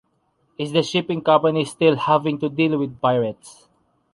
Is the shipping company still having to deal with pirates?